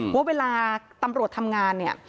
ว่าเวลาตำรวจทำงานเนี่ย